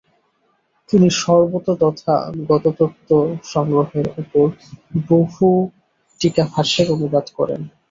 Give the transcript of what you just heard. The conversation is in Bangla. তিনি সর্বতথাগততত্ত্বসংগ্রহের ওপর বহু টীকাভাষ্যের অনুবাদ করেন।